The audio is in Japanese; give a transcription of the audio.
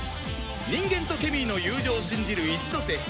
人間とケミーの友情を信じる一ノ瀬宝